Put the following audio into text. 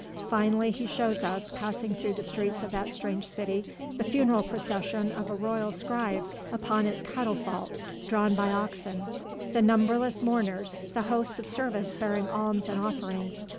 Finally he shows us, passing through the streets of that strange city, the funeral procession of a royal scribe upon its catafalque, drawn by oxen, the numberless mourners, the hosts of servants bearing alms and offerings.